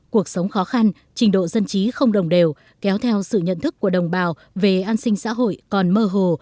cuộc sống khó khăn trình độ dân trí không đồng đều kéo theo sự nhận thức của đồng bào về an sinh xã hội còn mơ hồ